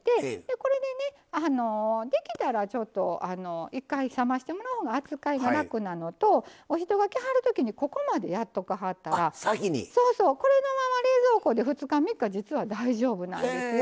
これで、できたら、ちょっと一回、冷ましてもらうほうが扱いが楽なのとお人が来はるときにこれだけやってはったらこれのまま冷蔵庫で２日、３日大丈夫なんですよ。